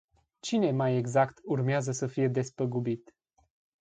Cine, mai exact, urmează să fie despăgubit?